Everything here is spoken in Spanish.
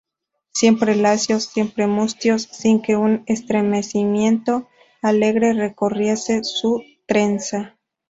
siempre lacios, siempre mustios, sin que un estremecimiento alegre recorriese su trenza.